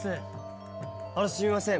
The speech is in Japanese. あのすいません